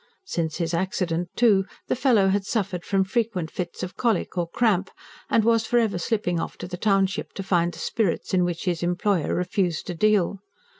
Since his accident, too, the fellow had suffered from frequent fits of colic or cramp, and was for ever slipping off to the township to find the spirits in which his employer refused to deal.